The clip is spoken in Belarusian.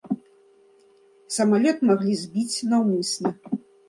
Самалёт маглі збіць наўмысна.